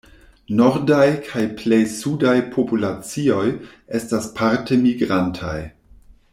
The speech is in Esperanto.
Nordaj kaj plej sudaj populacioj estas parte migrantaj.